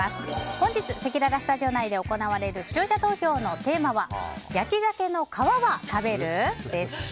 本日、せきららスタジオ内で行われる視聴者投票のテーマは焼きざけの皮は食べる？です。